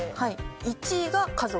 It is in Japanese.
１位が家族。